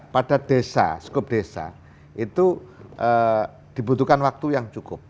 pada desa skup desa itu dibutuhkan waktu yang cukup